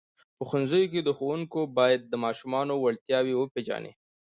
په ښوونځیو کې ښوونکي باید د ماشومانو وړتیاوې وپېژني.